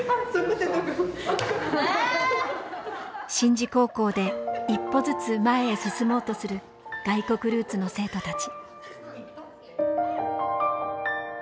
宍道高校で一歩ずつ前へ進もうとする外国ルーツの生徒たち。